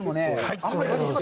あんまり。